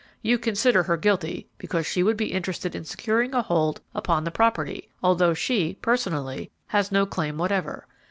"You consider her guilty because she would be interested in securing a hold upon the property, although she, personally, has no claim whatever.